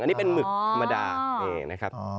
อันนี้เป็นหมึกธรรมดานี่นะครับ